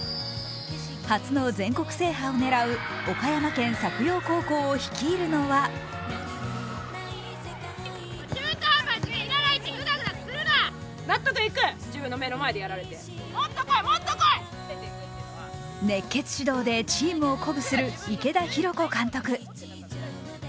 初の全国制覇を狙う岡山県作陽高校を率いるのは熱血指導でチームを鼓舞する池田浩子監督。